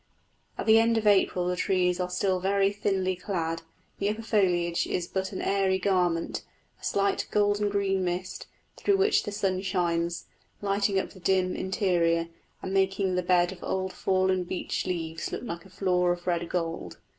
At the end of April the trees are still very thinly clad; the upper foliage is but an airy garment, a slight golden green mist, through which the sun shines, lighting up the dim interior, and making the bed of old fallen beech leaves look like a floor of red gold.